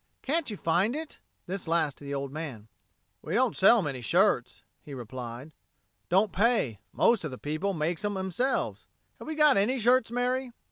Can't you find it?" This last to the old man. "We don't sell many shirts," he answered. "Don't pay. Most of the people makes 'em 'emselves. Have we got any shirts, Mary?"